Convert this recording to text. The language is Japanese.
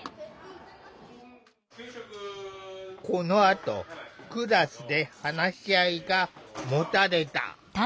このあとクラスで話し合いが持たれた。